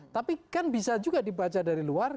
tapi kan bisa juga dibaca dari luar